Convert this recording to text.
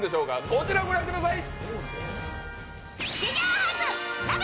こちらをご覧ください。